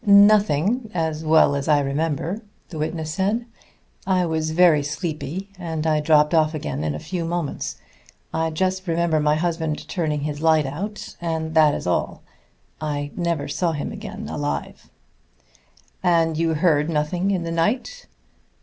"Nothing, as well as I remember," the witness said. "I was very sleepy, and I dropped off again in a few moments. I just remember my husband turning his light out, and that is all. I never saw him again alive." "And you heard nothing in the night?"